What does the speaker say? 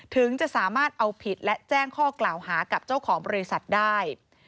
ถึงจะสามารถเอาผิดและแจ้งข้อกล่าวหากับเจ้าของบริษัทได้